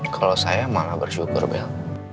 kalau saya malah bersyukur bel